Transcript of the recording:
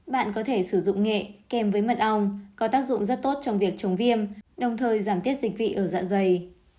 bạn có thể sử dụng nghệ kèm với mật ong có tác dụng rất tốt trong việc chống viêm đồng thời giảm tiết dịch vị ở dạ dày